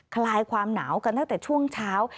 คลายความหนาวกันตั้งแต่ช่วงเช้า